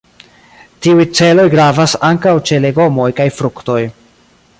Tiuj celoj gravas ankaŭ ĉe legomoj kaj fruktoj.